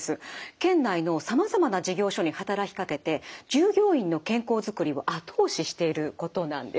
県内のさまざまな事業所に働きかけて従業員の健康づくりを後押ししていることなんです。